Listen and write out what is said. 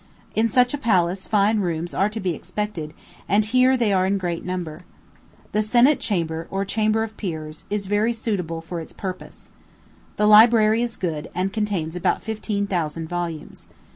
In such a palace fine rooms are to be expected, and here they are in great number. The Senate Chamber or Chamber of Peers, is very suitable for its purpose. The library is good, and contains about fifteen thousand volumes.